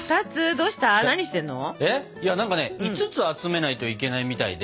何かね５つ集めないといけないみたいで。